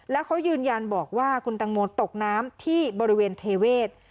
แล้วเขายืนยันบอกว่าคุณตังโมตกน้ำที่บริเวณเทเวศ